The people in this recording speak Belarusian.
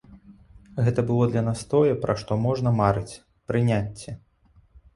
Гэта было для нас тое, пра што можна марыць,— прыняцце!